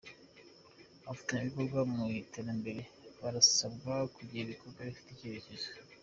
Abafatanyabikorwa mu iterambere barasabwa kugira ibikorwa bifite icyerekezo